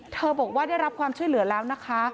บอกว่าได้รับความช่วยเหลือแล้วนะคะ